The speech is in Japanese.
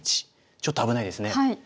１ちょっと危ないですね。